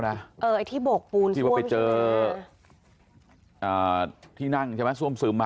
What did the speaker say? นะเออไอที่บกปูนที่ว่าไปเจออ่าที่นั่งใช่ไหมสวมซึมอ่ะ